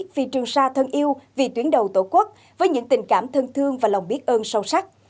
vì trường sa thân yêu vì tuyến đầu tổ quốc với những tình cảm thân thương và lòng biết ơn sâu sắc